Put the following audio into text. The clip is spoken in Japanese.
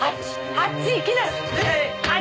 あっち行きなさい！